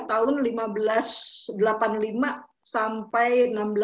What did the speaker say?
tahun seribu lima ratus delapan puluh lima sampai seribu enam ratus sembilan puluh